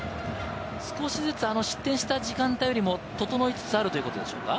少しずつ失点した時間帯よりも整いつつあるということでしょうか？